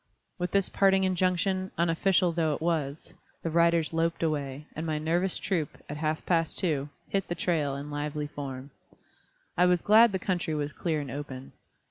With this parting injunction, unofficial though it was, the riders loped away, and my nervous troop, at half past two, "hit the trail" in lively form. I was glad the country was clear and open.